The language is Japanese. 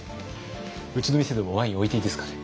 うちの店でもワイン置いていいですかね？